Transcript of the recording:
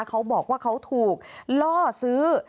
เขาบอกว่าเขาถูกล่อซื้อ